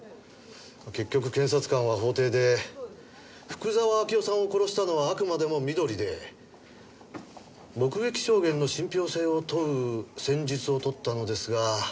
結局検察官は法廷で福沢明夫さんを殺したのはあくまでも美登里で目撃証言の信憑性を問う戦術を取ったのですが。